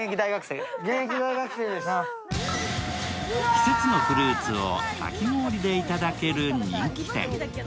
季節のフルーツをかき氷で頂ける人気店。